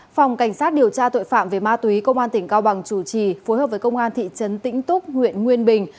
phòng cảnh sát điều tra tội phạm về ma túy công an tỉnh cao bằng chủ trì phối hợp với công an thị trấn tĩnh túc huyện nguyên bình